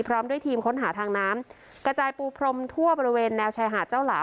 พร้อมด้วยทีมค้นหาทางน้ำกระจายปูพรมทั่วบริเวณแนวชายหาดเจ้าหลา